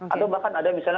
atau bahkan ada misalnya